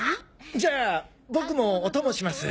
じゃあ僕もお供します。